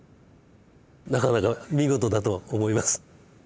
なかなか見事だと思います。